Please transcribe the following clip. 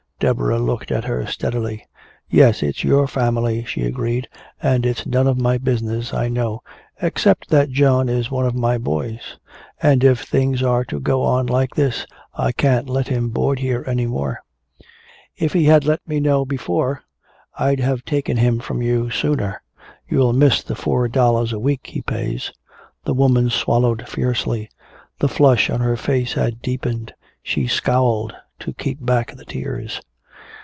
Deborah looked at her steadily. "Yes, it's your family," she agreed. "And it's none of my business, I know except that John is one of my boys and if things are to go on like this I can't let him board here any more. If he had let me know before I'd have taken him from you sooner. You'll miss the four dollars a week he pays." The woman swallowed fiercely. The flush on her face had deepened. She scowled to keep back the tears.